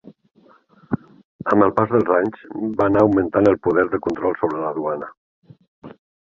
Amb el pas dels anys va anar augmentant el poder de control sobre la duana.